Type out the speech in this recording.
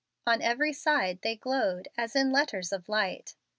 On every side they glowed as in letters of light.